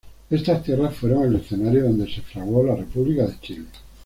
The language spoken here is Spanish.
Estas tierras fueron el escenario donde se fraguó la República de Chile.